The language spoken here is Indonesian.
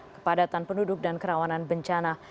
kepadatan penduduk dan kerawanan bencana